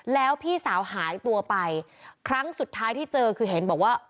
แล้วพี่สาวหายตัวไปครั้งสุดท้ายที่เจอคือเห็นบอกว่า